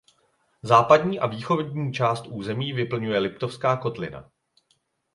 Západní a východní část území vyplňuje Liptovská kotlina.